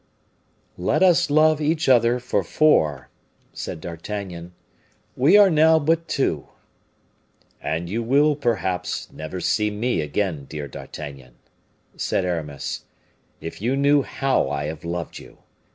"Let us love each other for four," said D'Artagnan. "We are now but two." "And you will, perhaps, never see me again, dear D'Artagnan," said Aramis; "if you knew how I have loved you!